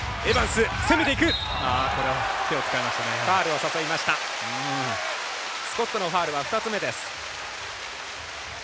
スコットのファウルは２つ目です。